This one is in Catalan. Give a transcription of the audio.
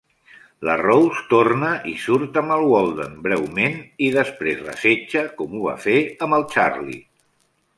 La Rose torna i surt amb el Walden breument i després l'assetja com ho va fer amb el Charlie.